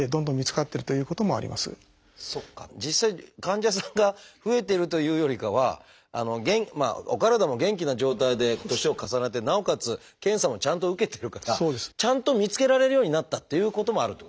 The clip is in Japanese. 実際患者さんが増えてるというよりかはお体も元気な状態で年を重ねてなおかつ検査もちゃんと受けてるからちゃんと見つけられるようになったっていうこともあるっていうことですね。